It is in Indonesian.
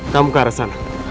kamu ke arah sana